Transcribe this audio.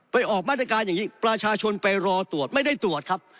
ออกมาตรการอย่างนี้ประชาชนไปรอตรวจไม่ได้ตรวจครับ